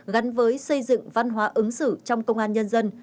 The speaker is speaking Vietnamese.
gắn với xây dựng văn hóa ứng xử trong công an nhân dân